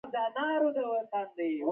د څرمنو تجارت یې پیل کړ.